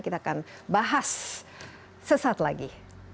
kita akan bahas sesaat lagi